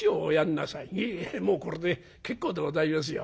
「いえいえもうこれで結構でございますよ。